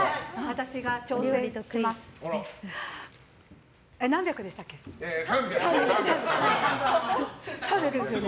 私が挑戦します。